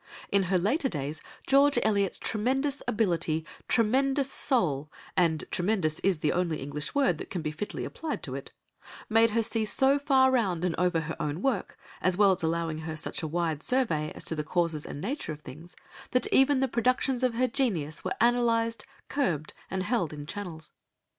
In her later days George Eliot's tremendous ability, tremendous soul,—and tremendous is the only English word that can be fitly applied to it,—made her see so far round and over her own work, as well as allowing her such a wide survey as to the causes and nature of things, that even the productions of her genius were analysed, curbed, and held in channels.